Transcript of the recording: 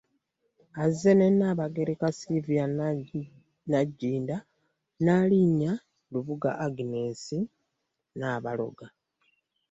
Azze ne Nnaabagereka Sylivia Nagginda, Nnaalinnya Lubuga Agnes Nabaloga